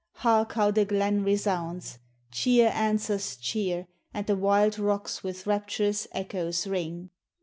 Hark how the glen resounds! Cheer answers cheer; And the wild rocks with rapturous echoes ring.